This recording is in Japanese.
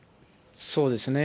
そうですね。